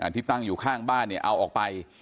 ที่ตั้งอยู่ข้างบ้านเนี่ยเอาออกไป